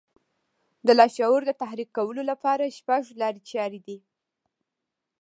د لاشعور د تحريکولو لپاره شپږ لارې چارې دي.